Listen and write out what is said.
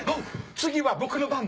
次は僕の番だ！